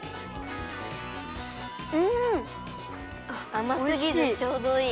あますぎずちょうどいい。